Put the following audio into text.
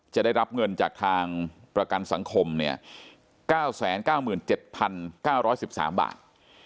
จะได้รับเงินจากทางประกันสังคม๙๙๗๙๑๓บาท